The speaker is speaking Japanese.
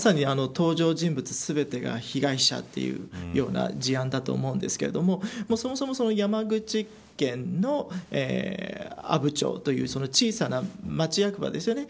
まさに登場人物全てが被害者というような事案だと思うんですけどそもそも山口県の阿武町という小さな町役場ですよね。